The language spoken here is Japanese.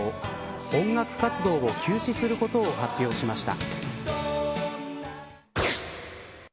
音楽活動を休止することを発表しました。